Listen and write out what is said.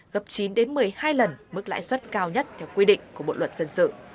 gấp chín đến một mươi hai lần mức lãi suất cao nhất theo quy định của bộ luật dân sự